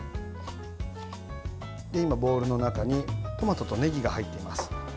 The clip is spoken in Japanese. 今、ボウルの中にトマトとねぎが入っています。